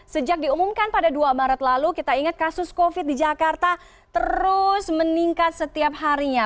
sejak diumumkan pada dua maret lalu kita ingat kasus covid di jakarta terus meningkat setiap harinya